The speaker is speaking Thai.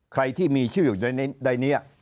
ใครที่มีชื่ออยู่ในนี้